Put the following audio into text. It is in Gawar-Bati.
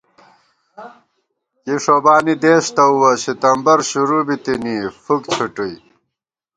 کی ݭوبانی دېس تؤوَہ ستمبر شروع بِتِنی فُک څھُٹُوئی